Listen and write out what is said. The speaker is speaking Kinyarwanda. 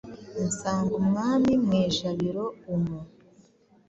Nsanga Umwami mu ijabiro umu,